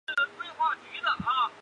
殿试登进士第三甲第八十一名。